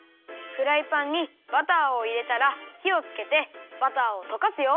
フライパンにバターをいれたらひをつけてバターをとかすよ。